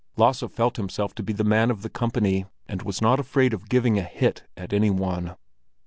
Lasse felt himself to be the man of the company, and was not afraid of giving a hit at any one.